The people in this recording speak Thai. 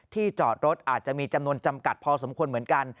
จอดรถอาจจะมีจำนวนจำกัดพอสมควรเหมือนกัน